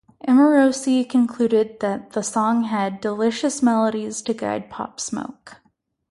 Amorosi concluded that the song had "delicious melodies to guide Pop Smoke".